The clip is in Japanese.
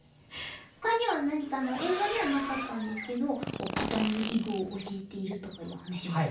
ほかには何か映像にはなかったんですけどお子さんに囲碁を教えているとかいう話も聞きました。